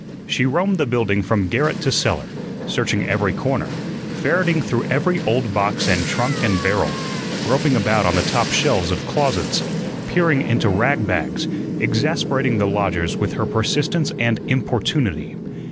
She roamed the building from garret to cellar, searching each corner, ferreting through every old box and trunk and barrel, groping about on the top shelves of closets, peering into rag bags, exasperating the lodgers with her persistence and importunity.